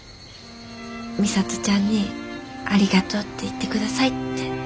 美里ちゃんに『ありがとう』って言って下さい」って。